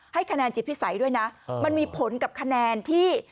คะแนนจิตพิสัยด้วยนะมันมีผลกับคะแนนที่